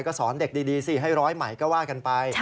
ก็สอนเด็กดีสิให้ร้อยใหม่ก็ว่ากันไป